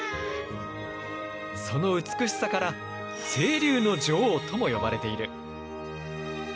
その美しさから清流の女王とも呼ばれている。